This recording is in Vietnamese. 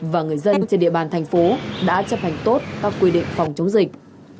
và người dân trên địa bàn thành phố đã chấp hành tốt các quy định phòng chống dịch